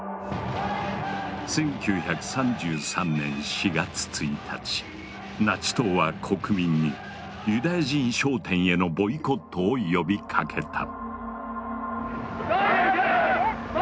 １９３３年４月１日ナチ党は国民にユダヤ人商店へのボイコットを呼びかけた。